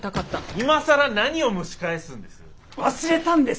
今更何を蒸し返すんです？